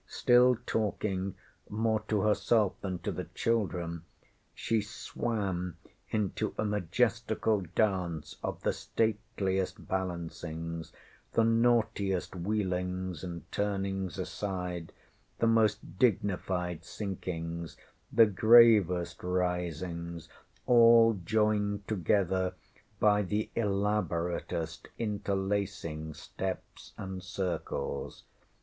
Still talking more to herself than to the children she swam into a majestical dance of the stateliest balancings, the naughtiest wheelings and turnings aside, the most dignified sinkings, the gravest risings, all joined together by the elaboratest interlacing steps and circles.